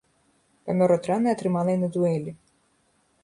Памёр ад раны атрыманай на дуэлі.